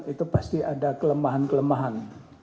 itu pasti ada kelemahan kelemahan